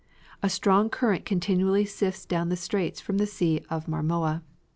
A strong current continually sifts down the straits from the Sea of Marmora.